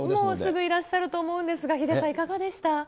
もうすぐいらっしゃると思うんですが、ヒデさん、いかがでした？